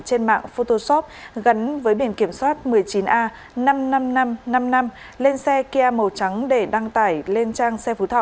trên mạng photoshop gắn với biển kiểm soát một mươi chín a năm mươi năm nghìn năm trăm năm mươi năm lên xe kia màu trắng để đăng tải lên trang xe phú thọ